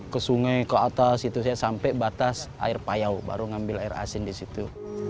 ke sungai ke atas sampai batas air payau baru ambil air asin di situ